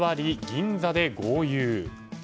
銀座で豪遊。